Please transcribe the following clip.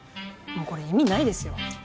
もうこれ意味ないですよ。